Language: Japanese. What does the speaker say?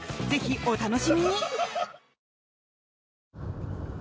ぜひ、お楽しみに！